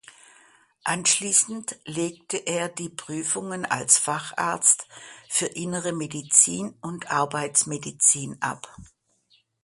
Anschließend legte er die Prüfungen als Facharzt für Innere Medizin und Arbeitsmedizin ab.